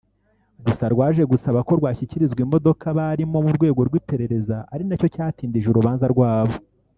Gusa rwaje gusaba ko rwashyikirizwa imodoka barimo mu rwego rw’iperereza ari nacyo cyatindije urubanza rwabo